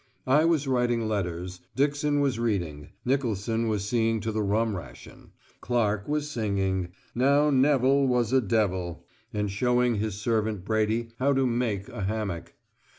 I was writing letters; Dixon was reading; Nicolson was seeing to the rum ration; Clark was singing, "Now Neville was a devil," and showing his servant Brady how to "make" a hammock.